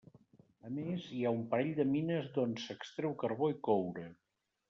A més, hi ha un parell de mines d'on s'extreu carbó i coure.